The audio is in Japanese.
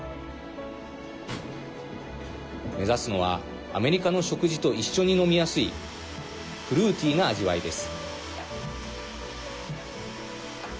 目指すのは、アメリカの食事と一緒に飲みやすいフルーティーな味わいです。